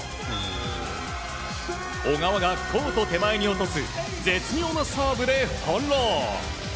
小川がコート手前に落とす絶妙なサーブで翻弄。